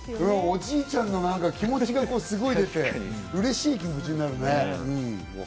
おじいちゃんの気持ちが出て、嬉しい気持ちになるね。